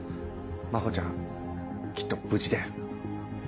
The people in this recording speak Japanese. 真帆ちゃんきっと無事だよ。